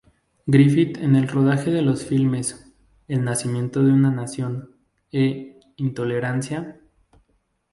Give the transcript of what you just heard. Griffith en el rodaje de los filmes "El nacimiento de una nación" e "Intolerancia".